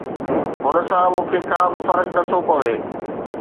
ان سان مون کي ڪا به فرق نه ٿو پوي.